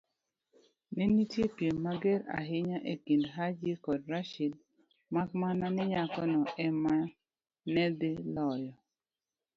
Nenitie piem mager ahinya ekind Haji kod Rashid, makmana ni nyakono ema nedhi loyo.